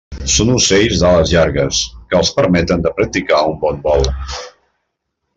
Són ocells d'ales llargues, que els permeten de practicar un bon vol.